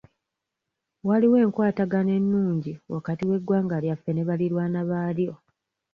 Waliwo enkwatagana ennungi wakati w'eggwanga lyaffe ne baliraanwa baalyo.